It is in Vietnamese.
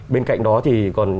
bên cạnh đó thì còn